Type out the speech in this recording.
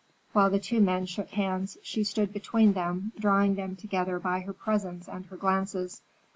While the two men shook hands she stood between them, drawing them together by her presence and her glances.